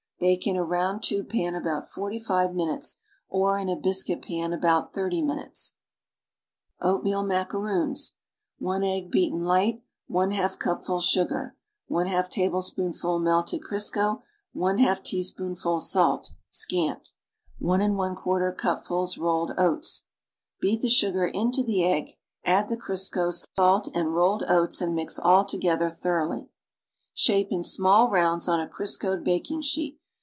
Bake in a round tube pan about forty five minutes, or in a biscuit pan about thirty minutes. OATMEAL MACAROONS 1 egg, beaten light yi tablespoonful melted Crisco y^ cupful sugar yi teaspoonful salt (scant) \yi cupfuls rolled oats Beat the sugar into the egg; add the Crisco, salt and rolled oats and mix all together thoroughly. Shape in small rounds on a Criscoed baking sheet.